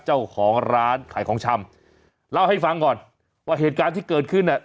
เจ้าของร้านขายของชำเล่าให้ฟังก่อนว่าเหตุการณ์ที่เกิดขึ้นเนี่ย